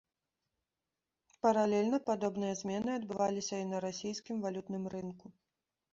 Паралельна падобныя змены адбываліся і на расійскім валютным рынку.